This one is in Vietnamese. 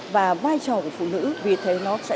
và vai trò của phụ nữ vì thế nó sẽ